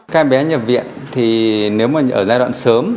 các em bé nhập viện thì nếu mà ở giai đoạn sớm